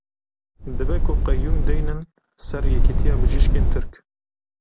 Dibe ku qeyûm deynin ser Yekîtiya Bijîşkên Tirk.